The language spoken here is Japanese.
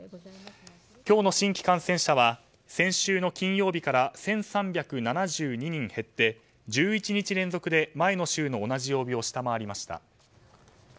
今日の新規感染者は先週の金曜日から１３７２人減って１１日連続で前の週の同じ曜日を下回りました。